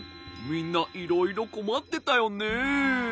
みんないろいろこまってたよね。